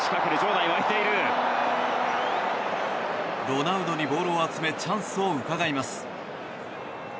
ロナウドにボールを集めチャンスをうかがいます。